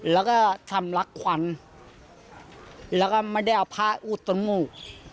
แล้วก็สำลักควันแล้วก็ไม่ได้เอาพระอุตมุทธ์